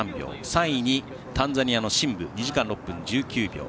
３位にタンザニアのシンブ２時間６分１９秒。